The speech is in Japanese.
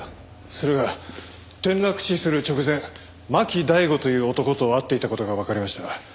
それが転落死する直前巻大吾という男と会っていた事がわかりました。